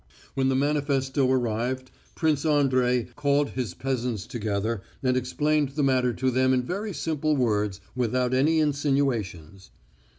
When the manifesto arrived, Prince Andrey called his peasants together and explained the matter to them in very simple words, without any insinuations.